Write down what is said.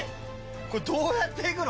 これどうやって行くの？